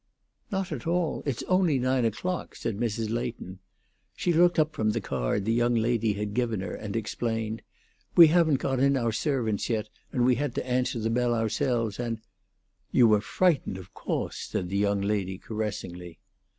"Not at all; it's only nine o'clock," said Mrs. Leighton. She looked up from the card the young lady had given her, and explained, "We haven't got in our servants yet, and we had to answer the bell ourselves, and " "You were frightened, of coase," said the young lady, caressingly.